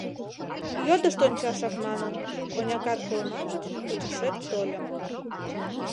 Йодышт ончашак манын, оньакат колма гыч, почешет тольым...